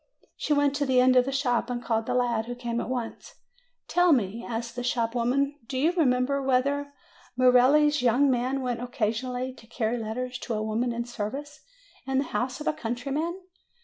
She went to the end of the shop and called the lad, who came at once. "Tell me," asked the shop woman, "do you remember whether Merelli's young man went occasionally to carry letters to a woman in service, in the house of a country man?"